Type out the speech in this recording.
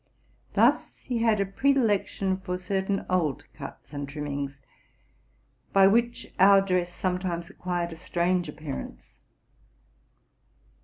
Thus he had a predilec tion for certain old cuts and trimmings, by which our dress sometimes acquired a strange appearance.